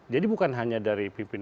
jadi bukan hanya dari pimpinan pimpinan